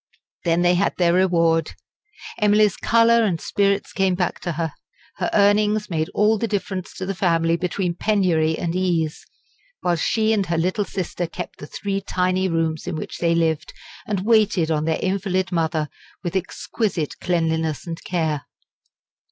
Then they had their reward. Emily's colour and spirits came back; her earnings made all the difference to the family between penury and ease; while she and her little sister kept the three tiny rooms in which they lived, and waited on their invalid mother, with exquisite cleanliness and care.